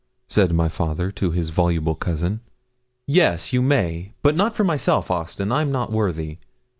said my father to his voluble cousin. 'Yes, you may, but not for myself, Austin I'm not worthy.